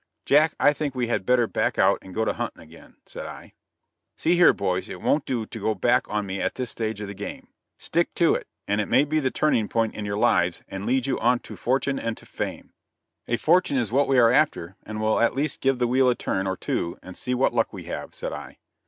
"Jack, I think we had better back out and go to hunting again," said I. "See here, boys; it won't do to go back on me at this stage of the game. Stick to it, and it may be the turning point in your lives and lead you on to fortune and to fame." "A fortune is what we are after, and we'll at least give the wheel a turn or two and see what luck we have," said I.